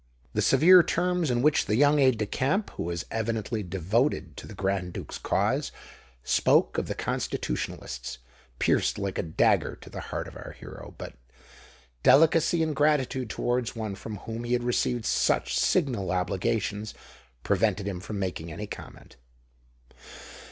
The severe terms in which the young aide de camp, who was evidently devoted to the Grand Duke's cause, spoke of the Constitutionalists, pierced like a dagger to the heart of our hero; but delicacy and gratitude towards one from whom he had received such signal obligations, prevented him from making any comment.